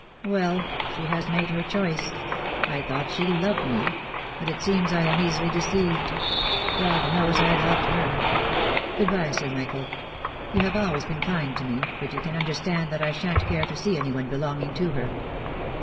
"Well, she has made her choice. I thought she loved me; but it seems I am easily deceived. God knows I loved her. Good bye, Sir Michael. You have always been kind to me; but you can understand that I sha'n't care to see anyone belong ing to her."